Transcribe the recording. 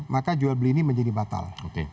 maka jual beli ini menjadi batal